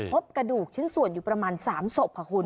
พบกระดูกชิ้นส่วนอยู่ประมาณ๓ศพค่ะคุณ